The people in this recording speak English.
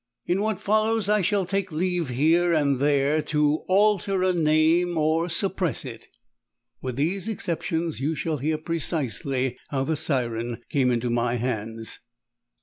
In what follows I shall take leave here and there to alter a name or suppress it. With these exceptions you shall hear precisely how the Siren came into my hands.